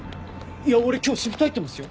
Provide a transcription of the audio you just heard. いや俺今日シフト入ってますよ。